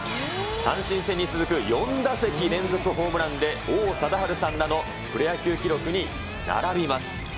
阪神戦に続く、４打席連続ホームランで、王貞治さんらのプロ野球記録に並びます。